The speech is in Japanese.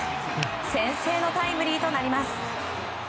先制のタイムリーとなります。